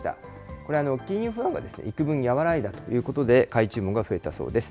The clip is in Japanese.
これ、金融不安がいくぶん和らいだということで、買い注文が増えたそうです。